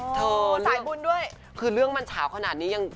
โอ้โฮสายบุญด้วยคือเรื่องมันฉาวขนาดนี้